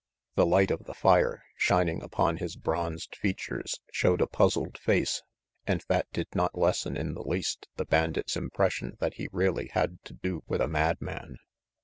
The light of the fire, shining upon his bronzed features, showed a puzzled face, and that did not lessen in the least the bandit's impression that he really had to do with a madman.